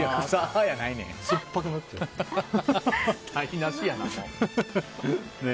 台無しやな。